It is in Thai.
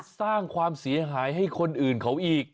สร้างความเสียหายให้คนอื่นเขาอีก